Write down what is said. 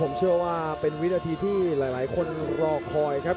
ผมเชื่อว่าเป็นวินาทีที่หลายคนรอคอยครับ